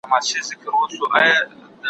په مجلس نه مړېدل سره خواږه وه